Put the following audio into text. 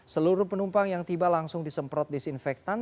seluruh penumpang yang tiba langsung disemprot disinfektan